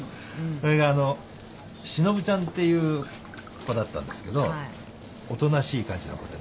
それがシノブちゃんっていう子だったんですけどおとなしい感じの子でね。